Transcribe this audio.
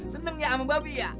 seneng ya sama babi ya